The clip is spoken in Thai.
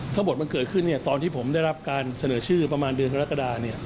ทั้งหมดมันเกิดขึ้นตอนที่ผมได้รับการเสนอชื่อประมาณเดือนกรกฎา